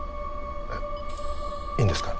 えっいいんですか？